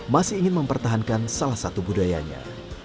masih ingin mempertahankan salah satu budayanya